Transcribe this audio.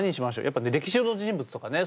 やっぱ歴史上の人物とかね